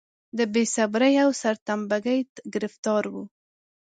د بې صبرۍ او سرتمبه ګۍ ګرفتار و.